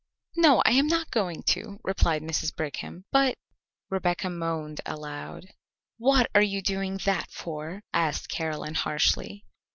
"No, I am not going to," replied Mrs. Brigham; "but " Rebecca moaned aloud. "What are you doing that for?" asked Caroline harshly.